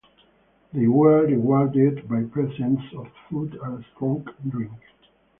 They were rewarded by presents of food and strong drink.